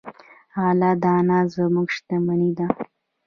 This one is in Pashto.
غله دانه زموږ شتمني ده.